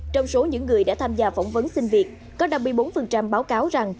trong số những người đã tham gia phỏng vấn xin việc có năm mươi bốn báo cáo rằng